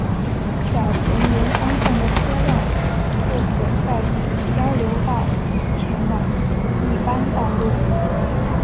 小田原方向的车辆不可在此交流道前往一般道路。